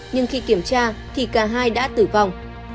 nhưng khi kiểm tra thì cả hai đã tử vong